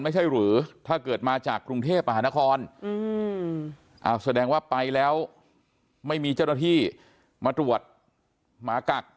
ไม่ใช่หรือถ้าเกิดมาจากกรุงเทพมหานครแสดงว่าไปแล้วไม่มีเจ้าหน้าที่มาตรวจหมากัก